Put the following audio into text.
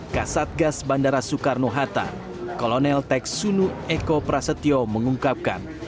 kasatgas bandara soekarno hatta kolonel teks sunu eko prasetyo mengungkapkan